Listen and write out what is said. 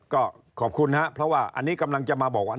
ก็ขอบคุณครับเพราะว่าอันนี้กำลังจะมาบอกว่า